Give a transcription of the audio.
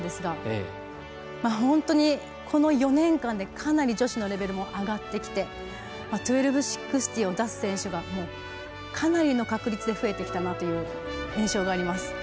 本当に、この４年間でかなり女子のレベルも上がってきて１２６０を出す選手がかなりの確率で増えてきたという印象があります。